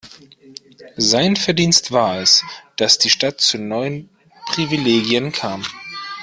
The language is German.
Sein Verdienst war es, dass die Stadt zu neuen Privilegien kam.